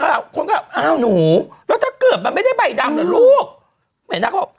คนก็ว่าอ้าวหนูแล้วถ้าเกิดมันไม่ได้ใบดำเนอะลูกหมายนักบอก